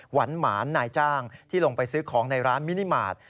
หวานหมานนายจ้างที่ลงไปซื้อของในร้านมินิมาตร